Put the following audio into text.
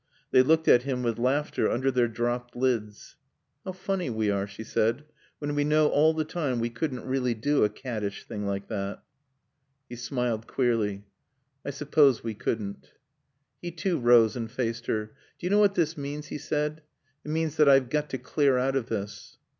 They looked at him with laughter under their dropped lids. "How funny we are," she said, "when we know all the time we couldn't really do a caddish thing like that." He smiled queerly. "I suppose we couldn't." He too rose and faced her. "Do you know what this means?" he said. "It means that I've got to clear out of this."